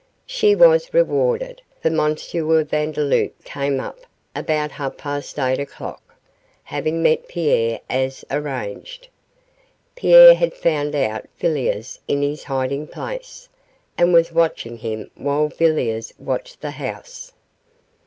She was rewarded, for M. Vandeloup came up about half past eight o'clock, having met Pierre as arranged. Pierre had found out Villiers in his hiding place, and was watching him while Villiers watched the house.